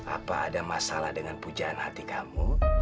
apa ada masalah dengan pujaan hati kamu